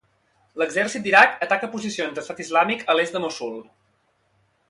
L'exèrcit d'Irak ataca posicions d'Estat Islàmic a l'est de Mossul.